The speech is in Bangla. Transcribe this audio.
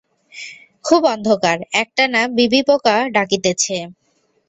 খুব অন্ধকার, একটানা বিবি পোকা ডাকিতেছে।